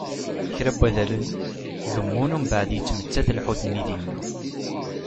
Kra n wadalen, gemmun umbeεed yettmettat lḥut-nni dinna.